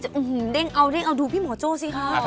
จะอื้อหือดึงเอาดึงเอาดูพี่หมอโจ้สิครับ